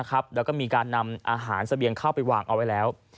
แล้วก็มีการนำอาหารเสบียงเข้าไปวางเอาไว้แล้ว